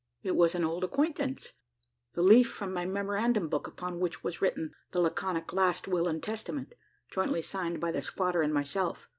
It was an old acquaintance the leaf from my memorandum book upon which was written that laconic "last will and testament," jointly signed by the squatter and myself.